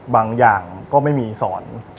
บางอย่างก็ไม่มีสอน